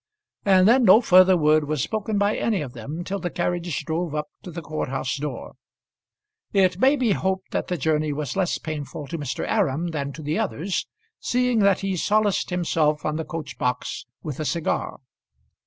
And then no further word was spoken by any of them till the carriage drove up to the court house door. It may be hoped that the journey was less painful to Mr. Aram than to the others, seeing that he solaced himself on the coach box with a cigar.